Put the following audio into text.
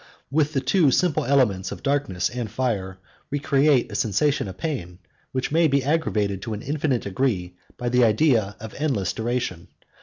With the two simple elements of darkness and fire, we create a sensation of pain, which may be aggravated to an infinite degree by the idea of endless duration.